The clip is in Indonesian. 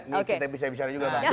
nanti kita bisa bicara juga pak